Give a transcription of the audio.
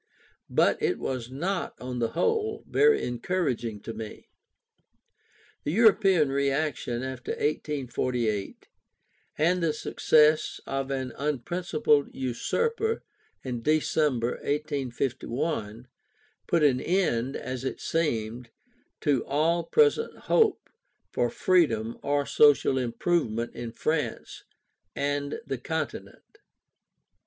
But it was not, on the whole, very encouraging to me. The European reaction after 1848, and the success of an unprincipled usurper in December, 1851, put an end, as it seemed, to all present hope for freedom or social improvement in France and the Continent.